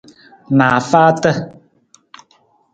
Naafaata.